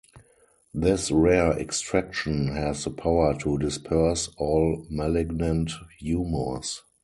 This rare extraction has the power to disperse all malignant humors.